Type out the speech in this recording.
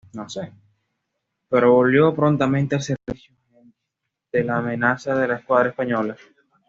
Pero volvió prontamente al servicio, ante la amenaza de la Escuadra Española.